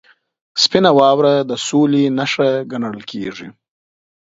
• سپینه واوره د سولې نښه ګڼل کېږي.